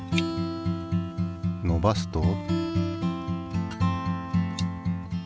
のばすと。